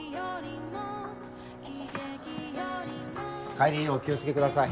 帰りお気を付けください。